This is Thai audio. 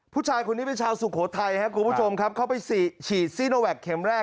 ผู้ชายคนนี้เป็นชาวสุโขทัยครับคุณผู้ชมครับเขาไปฉีดซีโนแวคเข็มแรก